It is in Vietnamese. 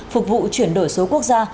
phục vụ chuyển đổi số quốc gia